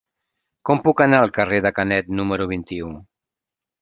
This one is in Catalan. Com puc anar al carrer de Canet número vint-i-u?